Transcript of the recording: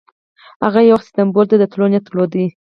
هغه یو وخت استانبول ته د تللو نیت درلود.